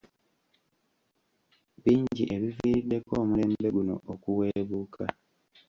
Bingi ebiviiriddeko omulembe guno okuweebuuka.